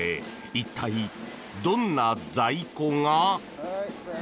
一体、どんな在庫が？